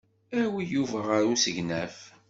Awi Yuba ɣer usegnaf.